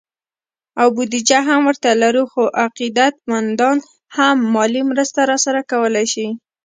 او بودیجه هم ورته لرو، خو عقیدت مندان هم مالي مرسته راسره کولی شي